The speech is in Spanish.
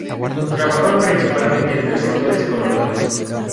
Trabajaron principalmente en tres sectores económicos.